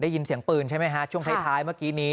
ได้ยินเสียงปืนใช่ไหมฮะช่วงท้ายเมื่อกี้นี้